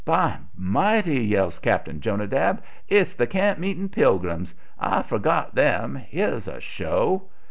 "By mighty!" yells Cap'n Jonadab; "it's the camp meeting pilgrims. I forgot them. Here's a show."